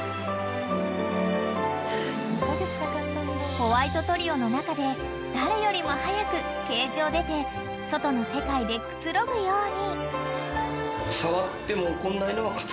［ホワイトトリオの中で誰よりも早くケージを出て外の世界でくつろぐように］